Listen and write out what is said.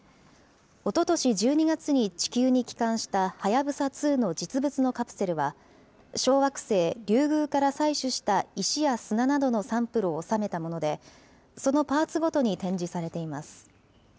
おととし１２月に地球に帰還したはやぶさ２の実物のカプセルは、小惑星リュウグウから採取した石や砂などのサンプルを収めたもので、そのパーツごとに展示されています。